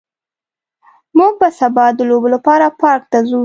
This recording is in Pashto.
موږ به سبا د لوبو لپاره پارک ته ځو